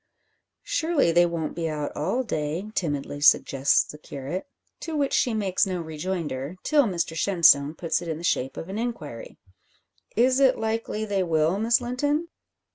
"Surely, they won't be out all day," timidly suggests the curate; to which she makes no rejoinder, till Mr Shenstone puts it in the shape of an inquiry. "Is it likely they will, Miss Linton?"